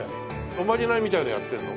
おまじないみたいのやってるの？